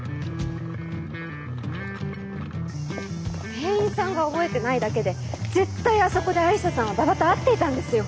店員さんが覚えてないだけで絶対あそこで愛理沙さんは馬場と会っていたんですよ！